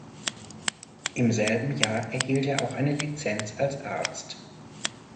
Im selben Jahr erhielt er auch eine Lizenz als Arzt.